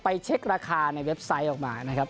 เช็คราคาในเว็บไซต์ออกมานะครับ